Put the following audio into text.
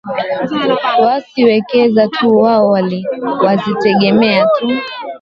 wasi wekeze tu wao wazitegemee tu